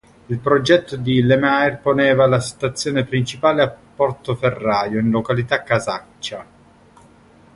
Il progetto di Le Maire poneva la stazione principale a Portoferraio in località Casaccia.